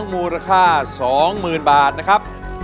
มูลค่าสองหมื่นบาทนะครับ